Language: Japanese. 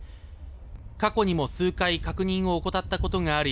過去にも数回確認を怠ったことがあり